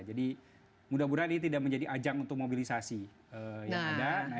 jadi mudah mudahan ini tidak menjadi ajang untuk mobilisasi yang ada